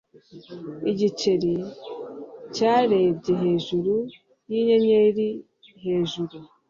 igiceri cyarebye hejuru yinyenyeri hejuru